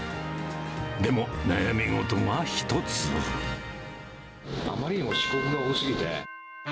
でも、あまりにも遅刻が多すぎて。